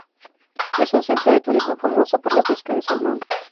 Es un centro de turismo famoso por la pesca de salmón.